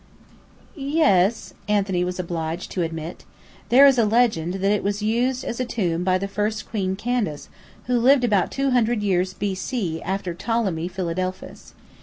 "Ye es," Anthony was obliged to admit. "There is a legend that it was used as a tomb by the first Queen Candace, who lived about two hundred years B.C. after Ptolemy Philadelphus.